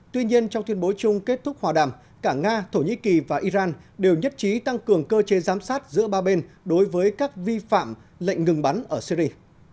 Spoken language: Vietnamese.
tuy nhiên trong tuyên bố chung kết thúc hòa đàm cả nga thổ nhĩ kỳ và iran đều nhất trí tăng cường cơ chế giám sát giữa ba bên đối với các vi phạm lệnh ngừng bắn ở syri